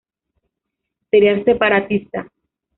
Sería separatista.